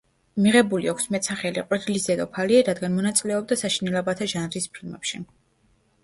მიღებული აქვს მეტსახელი „ყვირილის დედოფალი“, რადგან მონაწილეობდა საშინელებათა ჟანრის ფილმებში.